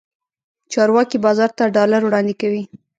چارواکي بازار ته ډالر وړاندې کوي.